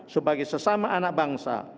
sebagai sesama anak bangsa